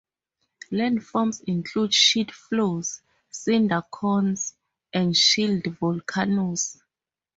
Landforms include sheet flows, cinder cones, and shield volcanoes.